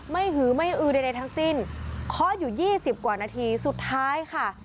หือไม่อือใดทั้งสิ้นเคาะอยู่๒๐กว่านาทีสุดท้ายค่ะ